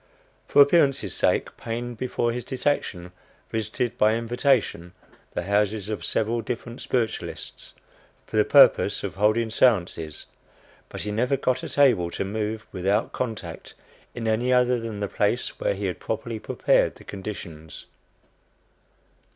For appearance' sake, Paine, before his detection, visited, by invitation, the houses of several different spiritualists, for the purpose of holding séances; but he never got a table to move "without contact" in any other than the place where he had properly prepared the conditions.